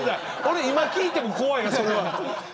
今聞いても怖いなそれは。